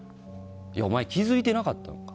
お前、気づいてなかったんか